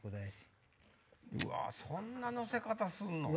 うわそんな乗せ方すんの？